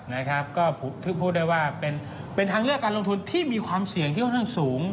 นะครับก็พูดได้ว่าเป็นทางเลือกการลงทุนที่มีความเสี่ยงที่ค่อนข้างสูง